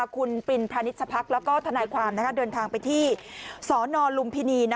คุณปินพาณิชพักแล้วก็ทนายความเดินทางไปที่สนลุมพินี